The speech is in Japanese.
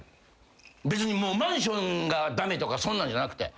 別にマンションが駄目とかそんなんじゃなくて。